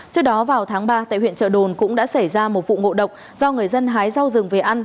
trước đó vào tháng ba tại huyện trợ đồn cũng đã xảy ra một vụ ngộ độc do người dân hái rau rừng về ăn